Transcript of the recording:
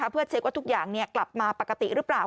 เพื่อเช็คว่าทุกอย่างกลับมาปกติหรือเปล่า